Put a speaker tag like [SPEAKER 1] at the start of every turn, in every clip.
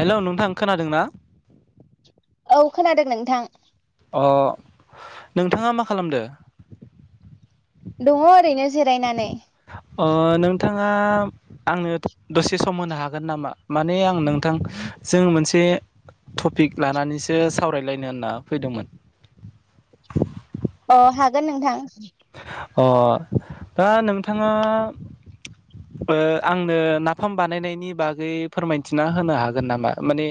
[SPEAKER 1] Hello नोंथां खोनादों ना?
[SPEAKER 2] औ खोनादों नोंथां।
[SPEAKER 1] अ नोंथाङा मा खालामदों?
[SPEAKER 2] दङ ओरैनो जिरायनानै।
[SPEAKER 1] ओ नोंथाङा आंनो दसे सम होनो हागोन नामा? माने आं नोंथां जों मोनसे टपिक लानानैसो सावरायलायनो होनना फैदोंमोन।
[SPEAKER 2] अ हागोन नोंथां।
[SPEAKER 1] अ दा नोंथाङा ओ आंनो नाफाम बानायनायनि बागै फोरमायथिना होनो हागोन नामा माने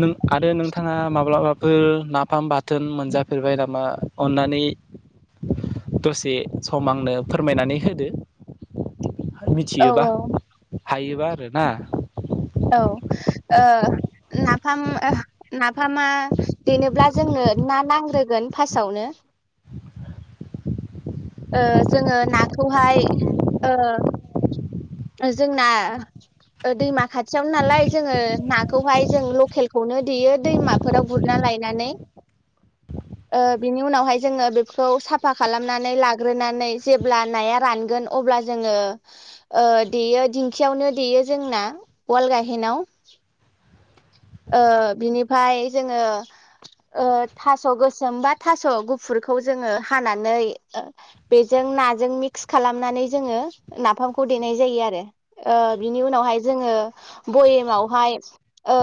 [SPEAKER 1] नों आरो नोंथाङा माब्लाबाफोर नाफाम बाथोन मोनजाफेरबाय नामा अननानै दसे सम आंनो फोरमायनानै होदो।
[SPEAKER 2] औ
[SPEAKER 1] मिथियोबा
[SPEAKER 2] औ
[SPEAKER 1] हायोबा। [unintelligible]
[SPEAKER 2] औ ओ नाफाम ओ नाफामा देनोब्ला जोंनो ना नांग्रोगोन फार्स्टआवनो। ओ जोङो नाखौहाय ओ जोंना दैमा खाथियावनो नालाय जोङो नाखौहाय जों लकेलखौनो देयो दैमाफोराव गुरना लायनानै ओ बिनि उनावहाय जोङो बेखौ साफा खालामनानै लाग्रोनानै जेब्ला नाया रानगोन अब्ला जोङो ओ देयो दिंखियावनो देयो जोंना वाल गाहेनाव ओ बिनिफ्राय जोङो ओ थास गोसोम बा थास गुफुरखौ जोङो हानानै बेजों नाजों मिक्स खालामनानै जोङो नाफाम खौ देनाय जायो आरो ओ बिनि उनावहाय जोङो भयेमावहाय ओ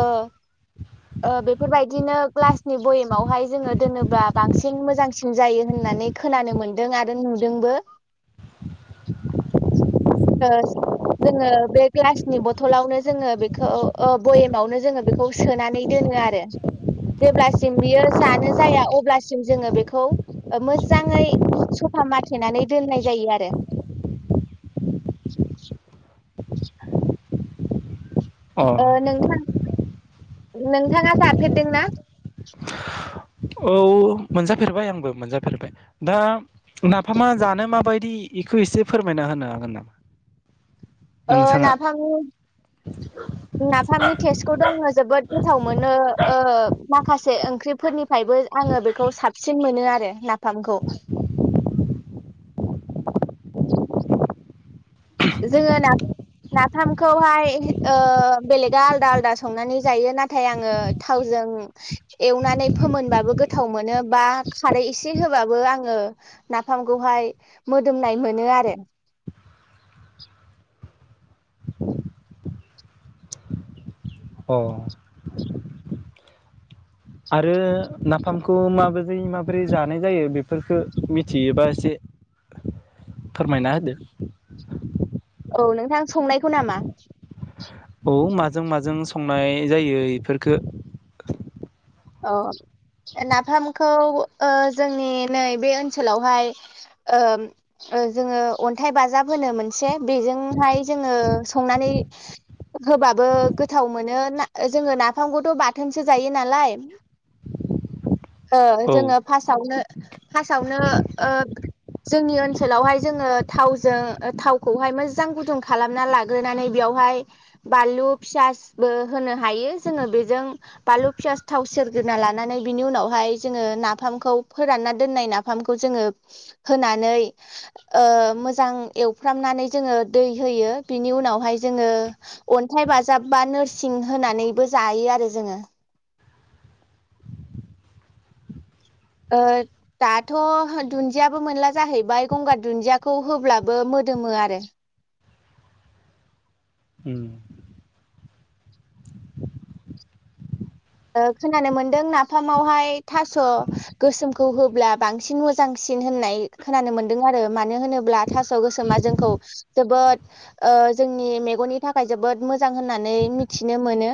[SPEAKER 2] ओ बेफोरबायदिनो ग्लासनि बयेमावहाय जोङो दोनोब्ला बांसिन मोजांसिन जायो होननानै खोनानो मोनदों आरो नुदोंबो ओ जोङो बे ग्लासनि बथलावनो जोङो बेखौ ओ बयेमावनो जोङो बेखौ सोनानै दोनो आरो जेब्लासिम बियो जानो जाया अब्लासिम जोङो बेखौ मोजाङै सफा माथेनानै दोननाय जायो आरो [inaudible]
[SPEAKER 1] अ
[SPEAKER 2] ओ नोंथां नोंथाङा जाफेरदोंना
[SPEAKER 1] औ मोनजाफेरबाय आंबो मोनजाफेरबाय दा नाफामा जानो माबायदि बेखौ एसे फोरमायना होनो हागोन नामा?
[SPEAKER 2] ओ
[SPEAKER 1] नोंथाङा
[SPEAKER 2] नाफामनि नाफामनि टेस्टखौथ आङो जोबोद गोथाव मोनो ओ माखासे ओं ख्रिफोरनिफ्रायबो आङो बेखौ साबसिन मोनो आरो ना फामखौ जोङो ना नाफामखौहाय ओ बेलेगा आलादा आलादा संनानै जायो नाथाय आङो थावजों एवनानै फोमोनबो गोथाव मोनो बा खारै एसे होबाबो आङो नाफामखौहाय मोदोमनाय मोनो आरो [inaudible]
[SPEAKER 1] अ आरो नाफामखौ माबोजै माबोरै जानाय जायो बेफोरफोरखो मिथियोबा एसे फोरमायना होदो
[SPEAKER 2] औ नोंथां संनायखौ नामा
[SPEAKER 1] औ माजों माजों संनाय जायो एफोरखो
[SPEAKER 2] अ नाफामखौ ओ जोंनि नै बे ओनसोलावहाय ओ ओ जोङो अन्थाइ बाजाब होनो मोनसे बेजोंहाय जोङो संनानै होबाबो गोथाव मोनो जोङो नाफामखौथ बाथोनसो जायो नालाय ओ
[SPEAKER 1] औ
[SPEAKER 2] जोङो फास्टआवनो। फार्स्टआवनो ओ जोंनि ओनसोलावहाय जोङो थावजों थावखौहाय मोजां गुदुं खालामना लाग्रोनानै बेयावहाय बानलु फियसबो होनो हायो जोङो बेजों बानलु फियास थाव सेरग्रोना लानानै बिनि उनावहाय जोङो नाफामखौ फोरानना दोननाय नाफामखौ जोङो होनानै ओ मोजां एवफ्रामनानै जोङो दै होयो बिनि उनावहाय जोङो अन्थाइ बाजाब बा नोरसिं होनानैबो जायो आरो जोङो। ओ दाथ' दुन्दियाबो मोनला जाहैबाय गंगार दुन्दियाखौ होब्लाबो मोदोमो आरो।
[SPEAKER 1] उम
[SPEAKER 2] ओ खोनानो मोनदों नाफामावहाय थास' गोसोमखौ होब्ला बांसिन मोजांसिन होननाय खोनानो मोनदों आरो मानो होनोब्ला थास' गोसोमा जोंखौ जोबोद ओ जोंनि मेगननि थाखाय जोबोद मोजां होननानै मिथिनो मोनो।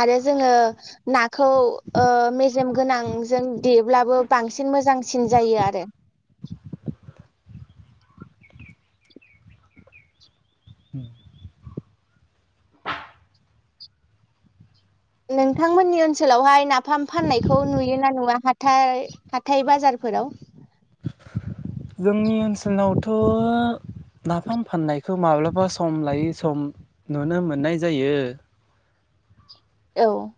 [SPEAKER 2] आरो जोङो नाखौ ओ मेजेम गोनांजों देब्लाबो बांसिन मोजांसिन जायो आरो। नोंथांमोननि ओनसोलावहाय नाफाम फाननायखौ नुयो ना नुया हाथाय हाथाय बाजारफोराव।
[SPEAKER 1] जोंनि ओनसोलावथ' नाफाम फाननायखौ माब्लाबा सम लायै सम नुनो मोननाय जायो।
[SPEAKER 2] औ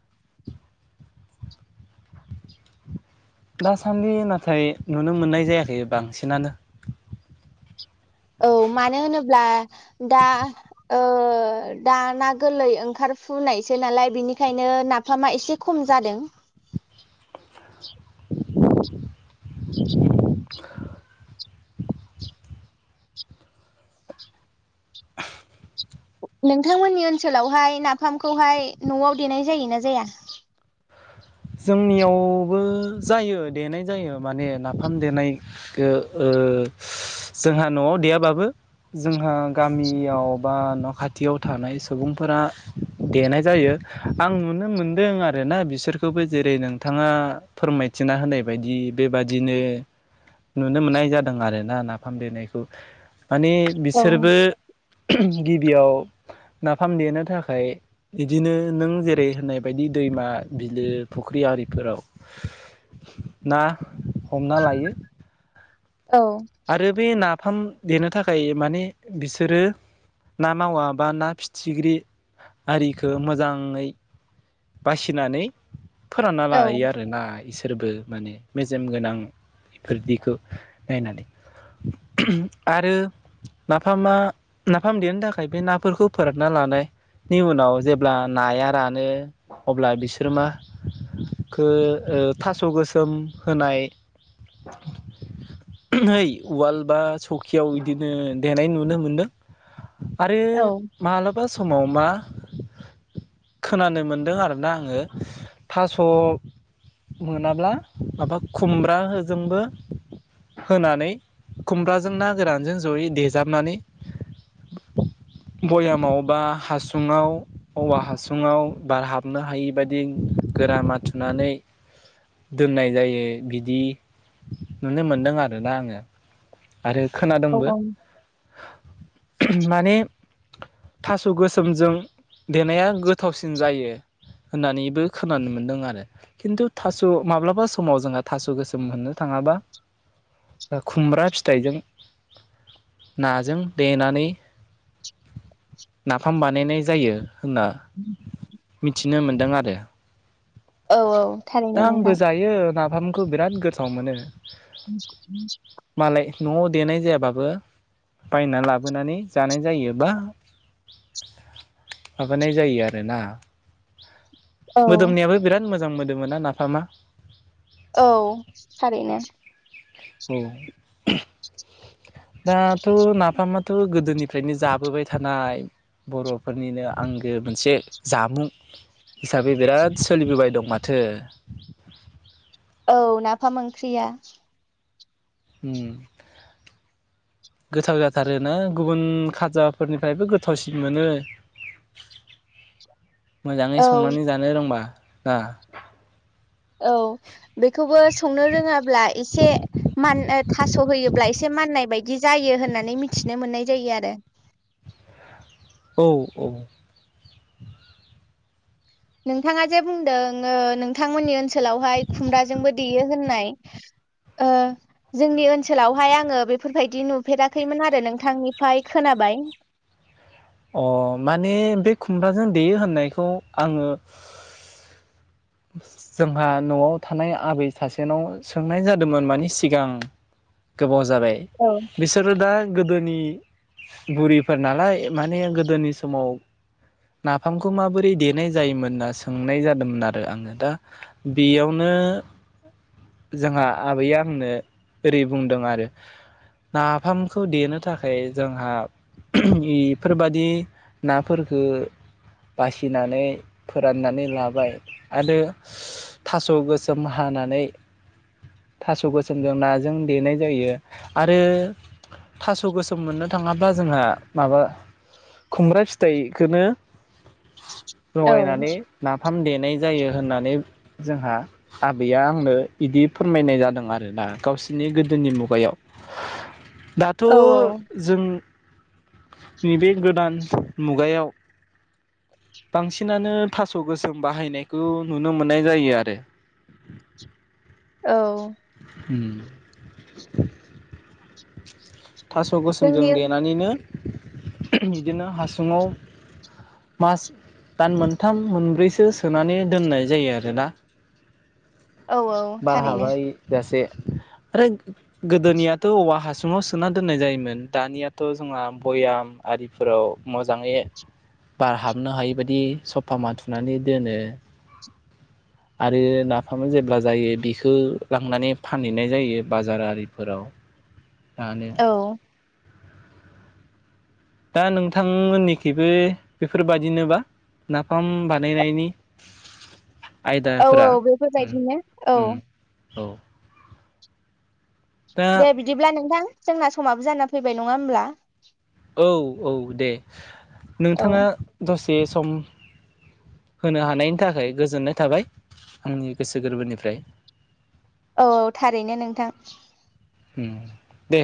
[SPEAKER 1] दासान्दि नाथाय नुनो मोननाय जायाखै बांसिनानो।
[SPEAKER 2] औ मानो होनोब्ला दा ओ दा ना गोरलै ओंखार फुनायसो नालाय बेनिखायनो नाफामा एसे खम जादों। नोंथांमोननि ओनसोलावहाय नाफामखौहाय न'आव देनाय जायोना जाया।
[SPEAKER 1] जोंनियावबो जायो देनाय जायो माने नाफाम देनायखौ ओ ओ जोंहा न'आव देयाबाबो जोंहा गामियाव बा न' खाथियाव थानाय सुबुंफोरा देनाय जायो आं नुनो मोनदों आरोना बिसोर खौबो जेरै नोंथाङा फोरमायथिना होनाय बायदि बेबादिनो नुनो मोननाय जादों आरोना नाफाम देनायखौ माने
[SPEAKER 2] औ
[SPEAKER 1] बिसोरबो। गिबियाव नाफाम देनो थाखाय बिदिनो नों जेरै होननाय बायदि दैमा बि बे फुख्रि आरिफोराव ना हमना लायो।
[SPEAKER 2] औ
[SPEAKER 1] आरो बे ना फाम देनो थाखाय माने बिसोरो ना मावा बा ना फिथिग्रि आरिखो मोजाङै बासिनानै फोरानना
[SPEAKER 2] औ
[SPEAKER 1] लायो आरो ना इस फोरबो माने मेजेम गोनां बेफोरदिखौ नायनानै आरो नाफामा नाफाम देनो थाखाय बे नाफोरखौ फोरानना लानायनि उनाव जेब्ला नाया रानो अब्ला बिसोर माखो ओ थास' गोसोम होनाय नै उवाल बा सखियाव बिदिनो देनाय नुनो मोनदों। आरो
[SPEAKER 2] औ
[SPEAKER 1] मालाबा समाव। मा खोनानो मोन दों आरोना नाङो थास' मोनाब्ला माबा खुमब्राजोंबो होनानै खुमब्राजों ना गोरानजों जयै देजाबनानै बयामाव बा हासुङाव औवा हासुङाव बार हाब नो हायि बायदि गोरामा थुनानै दोननाय जायो बिदि नुनो मोनदों आरोना आङो। आरो
[SPEAKER 2] औ
[SPEAKER 1] खोनादोंंबो
[SPEAKER 2] औ
[SPEAKER 1] [inaudible] माने। थास' गोसोमजों देनाया गोथावसिन जायो। होननानैबो खोनानो मोन्दों आरो, खिन्थु थास' माब्लाबा समाव जोंहा थास' गोसोम मोननो थाङाबा ओ खुमब्रा फिथाइजों नाजों देनानै नाफाम बानायनाय जायो होनना मिथिनो मोनदों आरो।
[SPEAKER 2] औ औ
[SPEAKER 1] [inaudible] दा
[SPEAKER 2] थारैनो नोंथां
[SPEAKER 1] आंबो जायो नाफामखौ बिराद गोथाव मोनो। मालाय न'आव
[SPEAKER 2] [unintelligible]
[SPEAKER 1] देनाय जायाबाबो बायना लाबोनानै जानाय जायो। बा [inaudible] माबानाय जायो आरोना।
[SPEAKER 2] औ
[SPEAKER 1] मोदोमनायाबो बिराद मो मोजां मोदोमोना नाफामा।
[SPEAKER 2] औ थारैनो।
[SPEAKER 1] औ
[SPEAKER 2] [inaudible]
[SPEAKER 1] दाथ' नाफामा थ' गोदोनिफ्रायनो जाबोबाय थानाय बर'फोरनिनो आंगो मोनसे जामुं हिसाबै बिराद सोलिबोबाय दं माथो।
[SPEAKER 2] औ नाफाम ओंख्रिया।
[SPEAKER 1] उम [inaudible] गोथाव जाथारोनो गुबुन खाजाफोरनिफ्रायबो गोथावसिन मोनो। मोजाङै
[SPEAKER 2] औ
[SPEAKER 1] संनानै जानो रोंबा। आ
[SPEAKER 2] औ बेखौबो संनो रोङाब्ला एसे मान- ओ थास' होयोब्ला एसे माननाय बायदि जायो होननानै मिथिनो मोननाय जायो आरो।
[SPEAKER 1] औ औ।
[SPEAKER 2] नोंथाङा जे बुंदों ओ नोंथांमोननि ओनसोलावहाय खुमब्राजोंबो देयो होननाय ओ जोंनि ओनसोलावहाय आङो बेफोरबायदि नुफेराखैमोन आरो नोंथांनिफ्राय खोनाबाय।
[SPEAKER 1] अ माने बे खुमब्राजों देयो होननायखौ आङो [inaudible] जोंहा न'आव थानाय आबै सासेनाव सोंनाय जादोंमोन माने सिगां गोबाव जाबाय
[SPEAKER 2] औ
[SPEAKER 1] बिसोरो दा गोदोनि बुरिफोर नालाय माने गोदोनि समाव नाफामखौ माबोरै देनाय जायोमोनना सोंनाय जादोंमोन आरो आङो दा बेयावनो जोंहा आबैया आंनो ओरै बुंदों आरो नाफामखौ देनो थाखाय जोंहा [unintelligible] बेफोरबादि नाफोरखो बासिनानै फोराननानै लाबाय आरो थास' गोसोम हानानै थास' गोसोमजों नाजों देनाय जायो आरो थास गोसोम मोननो थाङाब्ला जोंहा माबा खुमब्रा फिथाइखोनो
[SPEAKER 2] औ
[SPEAKER 1] लगायनानै नाफाम देनाय जायो होननानै जोंहा आबैया आंनो इदि फोरमायनाय जादों आरोना गावसोरनि गोदोनि मुगायाव। दाथ'
[SPEAKER 2] औ
[SPEAKER 1] जों नैबे गोदान मुगायाव बांसिनानो थास' गोसोम बाहायनायखौ नुनो मोननाय जायो आरो।
[SPEAKER 2] औ
[SPEAKER 1] उम [inaudible] [inaudible] थास'
[SPEAKER 2] जोंनि
[SPEAKER 1] गोसोमजों देनानैनो बिदिनो हासुङाव मास दान मोनथाम मोनब्रैसो सोनानै दोननाय जायो आरोना।
[SPEAKER 2] औ औ
[SPEAKER 1] बार
[SPEAKER 2] थारैनो
[SPEAKER 1] हाबायजासे। आरो गोदोनियाथ औवा हा सुङाव सोना दोननाय जायोमोन दानियाथ जोंहा भयाम आरिफोराव मोजाङै बार हाबनो हायै बायदि सफा माथुनानै दोनो आरो नाफाम जेब्ला जायो बिखौ लांनानै फानहैनाय जायो बाजार आरिफोराव। दानो।
[SPEAKER 2] औ
[SPEAKER 1] दा नोंथांमोननिखिबो बेफोरबादिनोबा नाफाम बानायनायनि
[SPEAKER 2] औ औ
[SPEAKER 1] आयदाफोरा उम
[SPEAKER 2] बेफोरबायदिनो औ।
[SPEAKER 1] उम औ। दा
[SPEAKER 2] दे बिदिब्ला नोंथां। जोंना समाबो जाना फैबाय नङा होमब्ला?
[SPEAKER 1] औ औ दे।
[SPEAKER 2] औ
[SPEAKER 1] नोंथाङा द से सम होनो हानायनि थाखाय गोजोननाय थाबाय आंनि गोसो गोरबोनिफ्राय।
[SPEAKER 2] औ थारैनो नोंथां
[SPEAKER 1] उम दे।